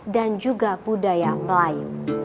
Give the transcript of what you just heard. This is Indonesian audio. dan juga budaya melayu